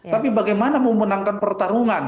tapi bagaimana memenangkan pertarungan